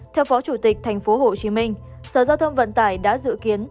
theo phó chủ tịch tp hcm sở giao thông vận tải đã dự kiến